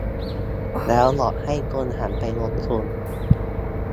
แล้วหลอกให้คนหันไปลงทุน